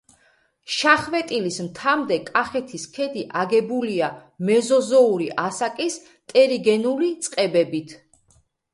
შახვეტილის მთამდე კახეთის ქედი აგებულია მეზოზოური ასაკის ტერიგენული წყებებით.